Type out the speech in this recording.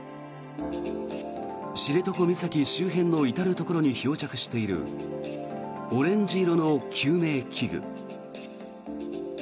知床岬周辺の至るところに漂着しているオレンジ色の救命器具。